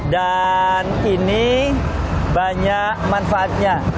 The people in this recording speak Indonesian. ini banyak manfaatnya